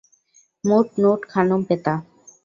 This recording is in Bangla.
মুট, নুট, খানুম, পেতাহ।